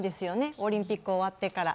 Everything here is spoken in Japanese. オリンピック終わってから。